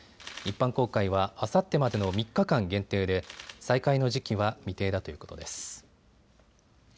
一般公開はあさってまでの３日間限定で再開の時期は未定だということです。